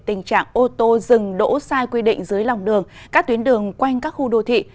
tình trạng ô tô dừng đỗ sai quy định dưới lòng đường các tuyến đường quanh các khu đô thị